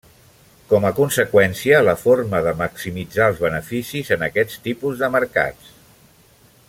Com a conseqüència, la forma de maximitzar els beneficis en aquests tipus de mercats.